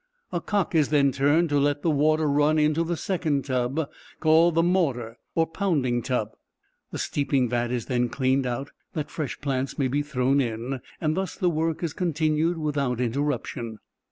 A cock is then turned to let the water run into the second tub, called the mortar, or pounding tub: the steeping vat is then cleaned out, that fresh plants may be thrown in, and thus the work is continued without interruption.